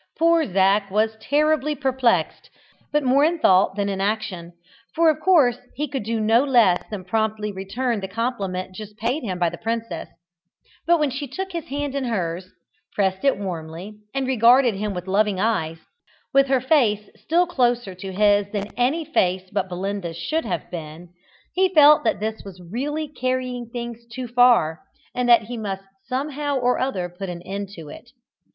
Poor Zac was terribly perplexed, but more in thought than in action, for of course he could do no less than promptly return the compliment just paid him by the princess. But when she took his hand in hers, pressed it warmly, and regarded him with loving eyes, with her face still closer to his than any face but Belinda's should have been, he felt that this was really carrying things too far, and that he must somehow or other put an end to it.